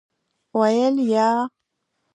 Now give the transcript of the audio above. ویل : یا .